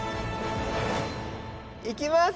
行きます。